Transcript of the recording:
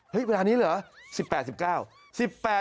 เฮ้ยเวลานี้เหรอ๑๘๑๙